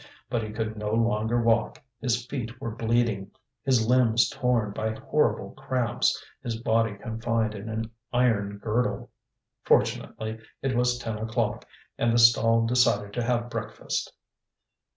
But he could no longer walk, his feet were bleeding, his limbs torn by horrible cramps, his body confined in an iron girdle. Fortunately it was ten o'clock, and the stall decided to have breakfast.